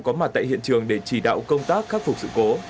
có mặt tại hiện trường để chỉ đạo công tác khắc phục sự cố